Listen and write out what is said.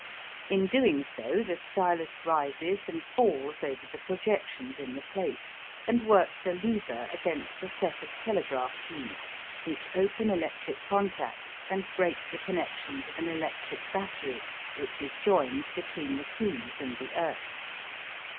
In doing so the stylus rises and falls over the projections in the plate and works a lever against a set of telegraph keys, which open electric contacts and break the connections of an electric battery which is joined between the keys and the earth.